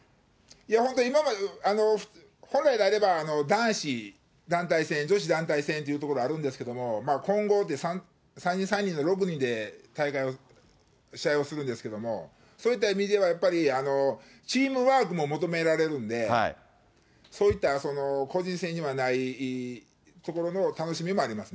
本当、今まで、本来であれば、男子団体戦、女子団体戦というところがあるんですけれども、混合って３人・３人の６人で大会を、試合をするんですけど、そういった意味ではやっぱりチームワークも求められるんで、そういった個人戦にはないところの楽しみもありますね。